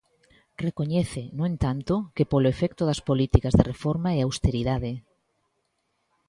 Recoñece, no entanto, que polo efecto das políticas de reforma e austeridade.